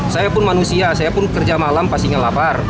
saya pun manusia saya pun kerja malam pastinya lapar